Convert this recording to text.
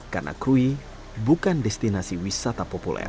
karena kerui bukan destinasi wisata populer